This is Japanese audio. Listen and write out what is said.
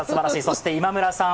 そして今村さん